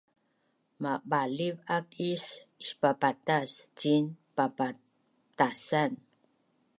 mabaliv ak is ispapatas ciin papatasan